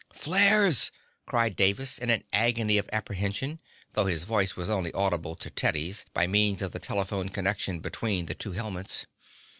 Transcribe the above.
"Flares!" cried Davis in an agony of apprehension, though his voice was only audible to Teddy by means of the telephone connection between the two helmets.